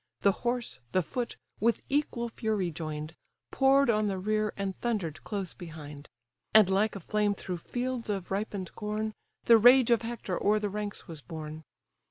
The horse, the foot, with equal fury join'd, Pour'd on the rear, and thunder'd close behind: And like a flame through fields of ripen'd corn, The rage of Hector o'er the ranks was borne.